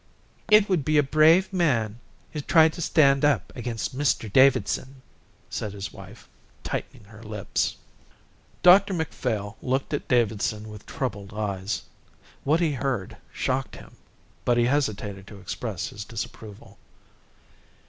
"It would be a brave man who tried to stand up against Mr Davidson," said his wife, tightening her lips. Dr Macphail looked at Davidson with troubled eyes. What he heard shocked him, but he hesitated to express his disapproval.